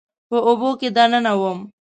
په اوبو کې دننه وم